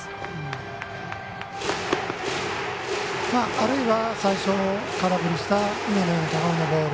あるいは最初空振りした今のような高めのボール。